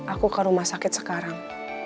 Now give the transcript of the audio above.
aku ke rumah sakit sekarang